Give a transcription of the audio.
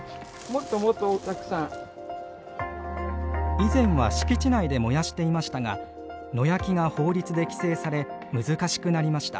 以前は敷地内で燃やしていましたが野焼きが法律で規制され難しくなりました。